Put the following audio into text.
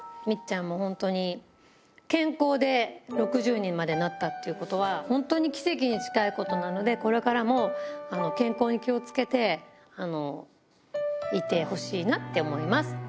みっちゃんも本当に健康で、６０にまでなったっていうことは、本当に奇跡に近いことなので、これからも健康に気をつけて、いてほしいなって思います。